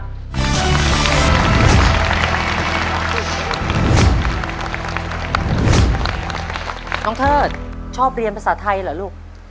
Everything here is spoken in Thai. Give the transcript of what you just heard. ขอเชิญน้องเทิดมาต่อชีวิตเป็นคนต่อไปครับ